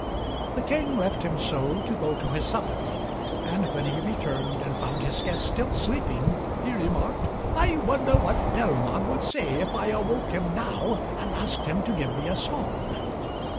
The King left him so to go to his supper; and when he returned and found his guest still sleeping, he remarked, 'I wonder what Bellman would say if I awoke him now and asked him to give me a song.'